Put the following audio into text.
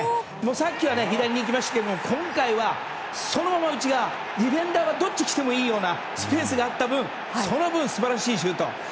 さっきは左に行きましたがディフェンダーがどっちに来てもいいようなスペースがあった分その分、素晴らしいシュート。